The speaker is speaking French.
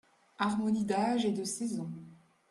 Harmonie d'âge et de saison.